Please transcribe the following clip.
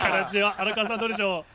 荒川さん、どうでしょう。